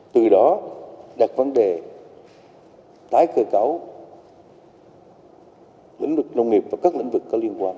từ đó đặt vấn đề tái cơ cấu lĩnh vực nông nghiệp và các lĩnh vực có liên quan